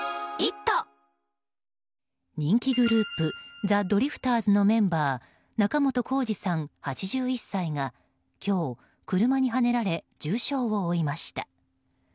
人気グループザ・ドリフターズのメンバー仲本工事さん、８１歳が今日、車にはねられ重傷を負いました。